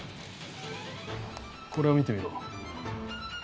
これを見てみろ。